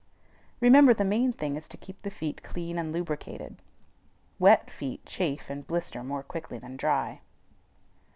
Remember, the main thing is to keep the feet clean and lubricated. Wet feet chafe and blister more quickly than dry.